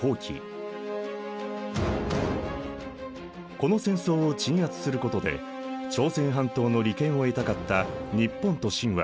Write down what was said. この戦争を鎮圧することで朝鮮半島の利権を得たかった日本と清はともに宣戦布告。